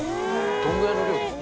どのぐらいの量ですか。